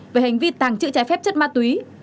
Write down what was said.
về hành vi tàng trữ trái phép chất ma túy